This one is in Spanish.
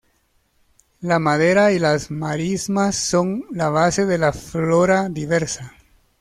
La madera y las marismas son la base de la flora diversa.